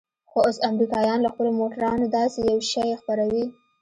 خو اوس امريکايان له خپلو موټرانو داسې يو شى خپروي.